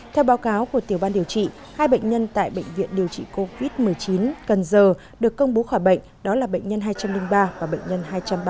theo báo cáo của tiểu ban điều trị hai bệnh nhân tại bệnh viện điều trị covid một mươi chín cần giờ được công bố khỏi bệnh đó là bệnh nhân hai trăm linh ba và bệnh nhân hai trăm ba mươi